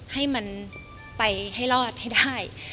ให้มันไปให้รอดให้ได้